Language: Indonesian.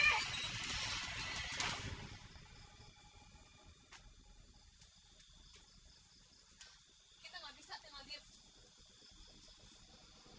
mau jadi kayak gini sih salah buat apa